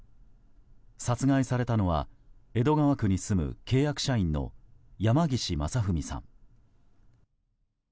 殺害されたのは江戸川区に住む契約社員の山岸正文さん。